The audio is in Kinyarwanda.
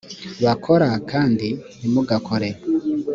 bakora o kandi ntimugakore